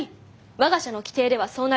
我が社の規定ではそうなります。